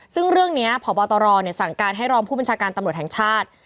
ซึ่งเรื่องนี้พบตรสั่งการให้รองผู้บัญชาการตำรวจแห่งชาติ